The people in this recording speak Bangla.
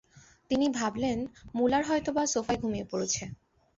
তিনি ভাবলেন, মুলার হয়তো-বা সোফায় ঘুমিয়ে পড়েছে।